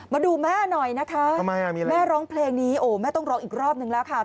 มาดูแม่หน่อยนะคะแม่ร้องเพลงนี้โอ้แม่ต้องร้องอีกรอบนึงแล้วค่ะ